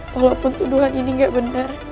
walaupun tuduhan ini nggak benar